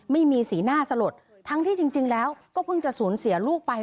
ไม่มีสีหน้าสลดทั้งที่จริงแล้วก็เพิ่งจะสูญเสียลูกไป